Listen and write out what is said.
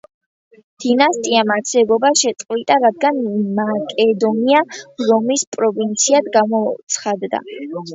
დინასტიამ არსებობა შეწყვიტა, რადგან მაკედონია, რომის პროვინციად გამოცხადდა.